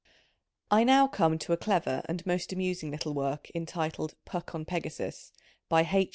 I now come to a clever and most amusing little work entitled Puck on Pegasus, by H.